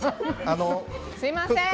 すみません！